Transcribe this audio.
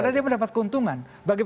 karena dia mendapat keuntungan